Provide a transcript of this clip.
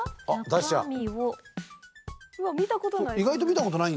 うわっ見たことない。